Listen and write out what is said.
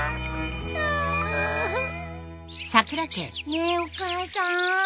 ねえお母さん。